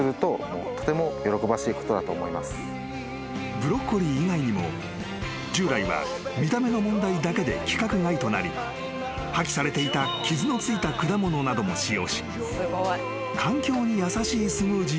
［ブロッコリー以外にも従来は見た目の問題だけで規格外となり破棄されていた傷の付いた果物なども使用し］